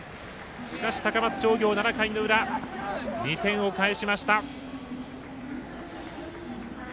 しかし、高松商業７回の裏２点を返しました。